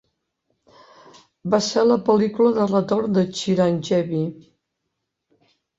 Va ser la pel·lícula de retorn de Chiranjeevi.